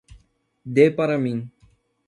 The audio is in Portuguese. Dê para mim